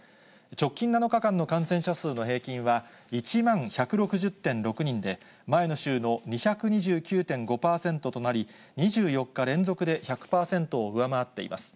直近７日間の感染者数の平均は、１万１６０．６人で、前の週の２２９．５％となり、２４日連続で１００％を上回っています。